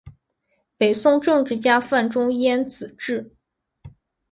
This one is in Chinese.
北宋政治家范仲淹子侄。